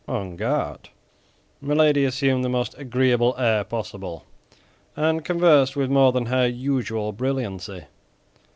On guard!" Milady assumed the most agreeable air possible, and conversed with more than her usual brilliancy.